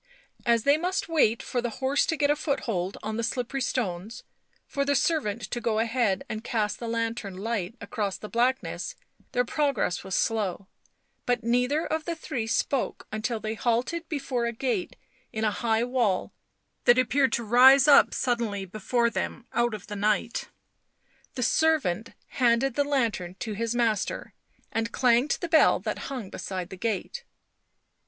As they must wait for the horse to get a foothold on the slippery stones, for the servant to go ahead and cast the lantern light across the blackness, their progress was slow, but neither of the three spoke until they halted before a gate in a high wall that appeared to rise up suddenly before them, out of the night. The servant handed the lantern to his master and clanged the bell that hung beside the gate.